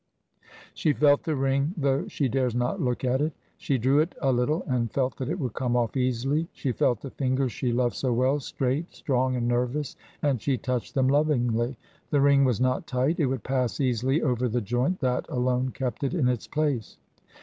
She felt the ring, though she dared not look at it. She drew it a little and felt that it would come off easily. She felt the fingers she loved so well, straight, strong and nervous, and she touched them lovingly. The ring was not tight, it would pass easily over the joint that alone kept it in its place.